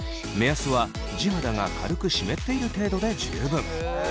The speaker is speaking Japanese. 目安は地肌が軽く湿っている程度で十分。